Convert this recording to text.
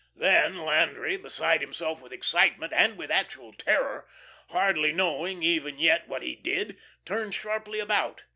Then, Landry, beside himself with excitement and with actual terror, hardly knowing even yet what he did, turned sharply about.